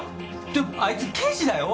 でもあいつ刑事だよ？